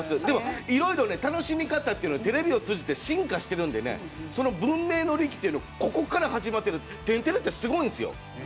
でも、いろんな楽しみ方テレビを通じて進化しているんでその文明の利器というのはここから始まってる「天てれ」って、すごいんですよ。